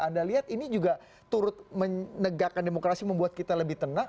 anda lihat ini juga turut menegakkan demokrasi membuat kita lebih tenang